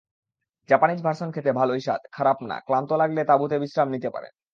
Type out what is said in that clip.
Japanese version খেতে ভালোই স্বাদ খারাপ না ক্লান্ত লাগলে তাবুতে বিশ্রাম নিতে পারেন।